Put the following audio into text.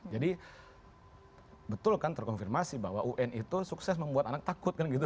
jadi betul kan terkonfirmasi bahwa un itu sukses membuat anak takut kan gitu